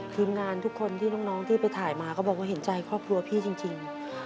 ทีมงานทุกคนที่น้องที่ไปถ่ายมาก็บอกว่าเห็นใจครอบครัวพี่จริง